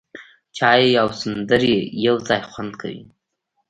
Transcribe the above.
چای او سندرې یو ځای خوند کوي.